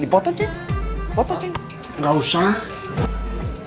siapa juga yang mau foto sama kamu